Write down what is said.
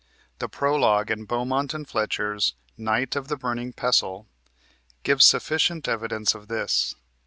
The Prolog in Beaumont and Fletcher's "Knight of the Burning Pestle" gives sufficient evidence of this.